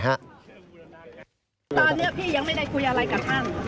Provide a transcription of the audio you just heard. ตอนนี้พี่ยังไม่ได้คุยอะไรกับท่าน